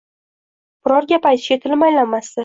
Biror gap aytishga tilim aylanmasdi